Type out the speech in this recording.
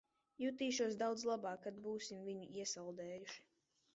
Jutīšos daudz labāk, kad būsim viņu iesaldējuši.